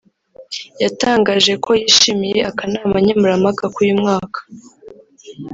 yatangaje ko yishimiye akanama nkemurampaka k’uyu mwaka